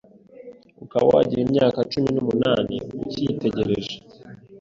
ukaba wagira imyaka cumi nuumunani ukiyitegereje.